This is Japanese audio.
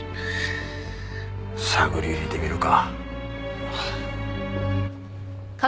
探り入れてみるか。